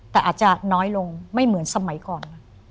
แต่อาจจะน้อยลงไม่เหมือนสมัยก่อน